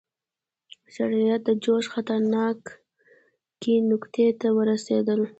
شرایط د جوش خطرناکې نقطې ته ورسېدل.